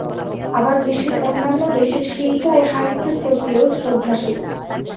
আবার বিশ্বের অন্যান্য দেশের শিল্প ও সাহিত্যের প্রতিও শ্রদ্ধাশীল।